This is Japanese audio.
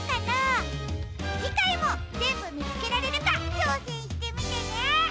じかいもぜんぶみつけられるかちょうせんしてみてね！